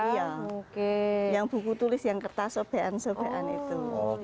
iya yang buku tulis yang kertas sobean sobean itu